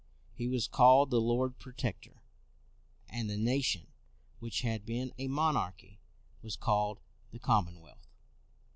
He was called the Lord Protector, and the nation which had been a monarchy was called the Com monwealth.